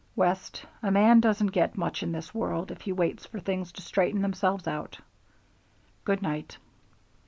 "West, a man doesn't get much in this world if he waits for things to straighten themselves out. Good night."